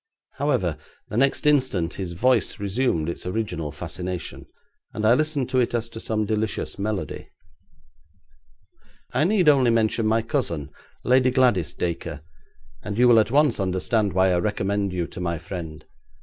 However, the next instant his voice resumed its original fascination, and I listened to it as to some delicious melody. 'I need only mention my cousin, Lady Gladys Dacre, and you will at once understand why I recommended you to my friend.